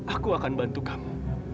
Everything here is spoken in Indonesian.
aku akan bantu kamu